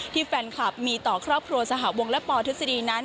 แฟนคลับมีต่อครอบครัวสหวงและปทฤษฎีนั้น